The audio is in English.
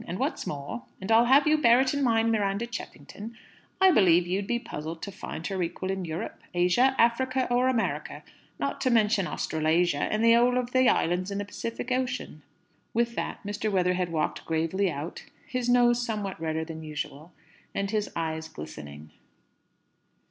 And what's more and I'll have you bear it in mind, Miranda Cheffington I believe you'd be puzzled to find her equal in Europe, Asia, Africa, or America not to mention Australasia and the 'ole of the islands in the Pacific Ocean." With that, Mr. Weatherhead walked gravely out; his nose somewhat redder than usual, and his eyes glistening.